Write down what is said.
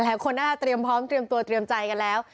หลายคนน่าจะเตรียมพร้อมเตรียมตัวเตรียมใจกันแล้ว